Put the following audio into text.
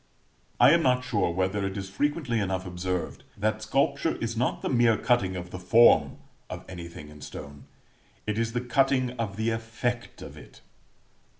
I am not sure whether it is frequently enough observed that sculpture is not the mere cutting of the form of anything in stone; it is the cutting of the effect of it.